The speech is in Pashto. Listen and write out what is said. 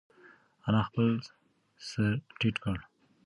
انا خپل سر ټیټ کړ.